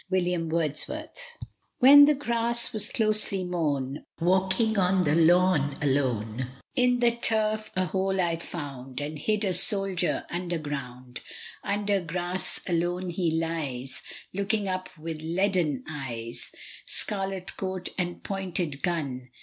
" W. Wordsworth. CHAPTER I. AFTERWARDS. When the grass was closely mown, Walking on the lawn alone, In the turf a hole I found, And hid a soldier underground. Under grass alone he lies, Looking up with leaden eyes; Scarlet coat and pointed gun.